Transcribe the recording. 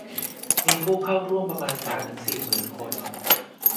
มีผู้เข้าร่วมประมาณสามถึงสี่หมื่นคน